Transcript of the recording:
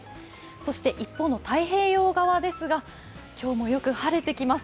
そして一方の太平洋側ですが、今日もよく晴れてきます。